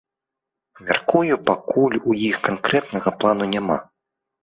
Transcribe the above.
Мяркую, пакуль у іх канкрэтнага плану няма.